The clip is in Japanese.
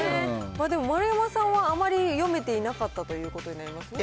でも丸山さんはあまり読めていなかったということになりますね。